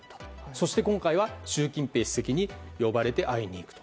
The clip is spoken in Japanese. そして、今回は習近平主席に呼ばれて会いに行くと。